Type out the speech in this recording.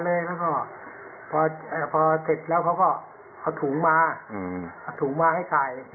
เพราะเสร็จแล้วเขาก็ถูกมาให้ส่ายร้าย